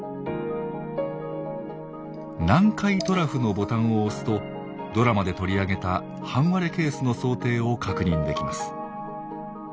「南海トラフ」のボタンを押すとドラマで取り上げた半割れケースの想定を確認できます。